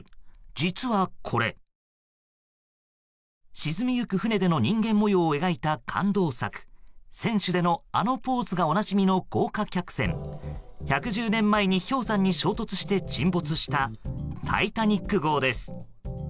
実はこれ、沈みゆく船での人間模様を描いた感動作船首でのあのポーズがおなじみの豪華客船１１０年前の氷山に衝突して沈没した「タイタニック号」です。